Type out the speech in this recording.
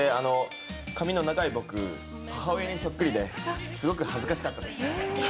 髪の長い僕、母親にそっくりで、すごく恥ずかしかったです。